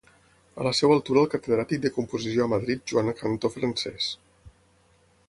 A la seua altura el catedràtic de composició a Madrid Joan Cantó Francés.